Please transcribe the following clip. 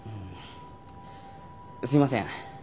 すいません。